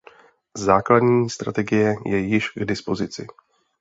Základní strategie je již k dispozici.